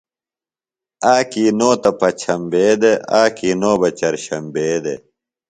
آکی نو تہ پچھمبے دےۡ آکی نو بہ چرچھمبے دےۡ